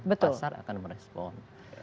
pasar akan merespon